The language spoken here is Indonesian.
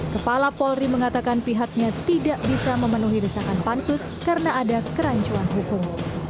kepala polri mengatakan pihaknya tidak bisa memenuhi desakan pansus karena ada kerancuan hukum